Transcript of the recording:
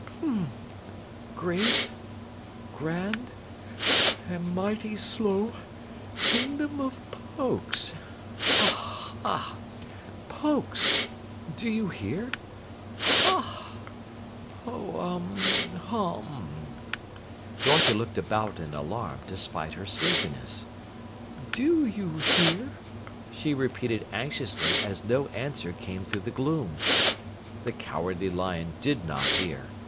"Um Great Grand and Mighty Slow Kingdom of Pokes! Uh hah Pokes! Do you hear? Hah, hoh, hu, uum!" Dorothy looked about in alarm, despite her sleepiness. "Do you hear?" she repeated anxiously as no answer came through the gloom. The Cowardly Lion did not hear.